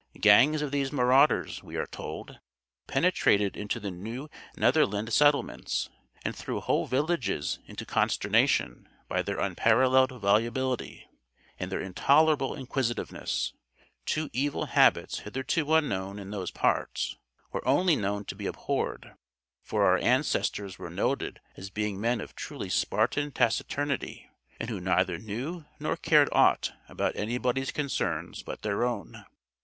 Gangs of these marauders, we are told, penetrated into the New Netherland settlements, and threw whole villages into consternation by their unparalleled volubility, and their intolerable inquisitiveness two evil habits hitherto unknown in those parts, or only known to be abhorred; for our ancestors were noted as being men of truly Spartan taciturnity, and who neither knew nor cared aught about anybody's concerns but their own.